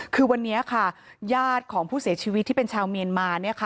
คือวันนี้ค่ะญาติของผู้เสียชีวิตที่เป็นชาวเมียนมา